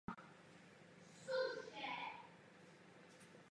Návrh doporučení jsem zkoumal také z hlediska svého geopolitického zájmu.